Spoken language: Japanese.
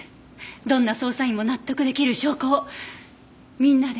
どんな捜査員も納得出来る証拠をみんなで。